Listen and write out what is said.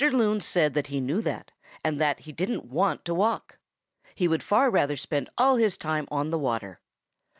Loon said that he knew that, and that he didn't want to walk. He would far rather spend all his time on the water.